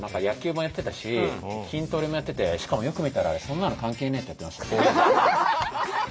野球もやってたし筋トレもやっててしかもよく見たら「そんなの関係ねぇ！」ってやってました。